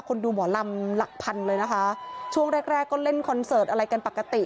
ดูหมอลำหลักพันเลยนะคะช่วงแรกแรกก็เล่นคอนเสิร์ตอะไรกันปกติ